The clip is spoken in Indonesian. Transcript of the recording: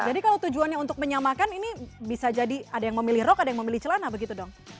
jadi kalau tujuannya untuk menyamakan ini bisa jadi ada yang memilih rok ada yang memilih celana begitu dong